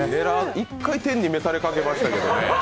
一回、天に召されかけましたけどね。